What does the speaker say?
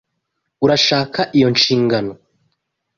Urashaka iyo nshingano?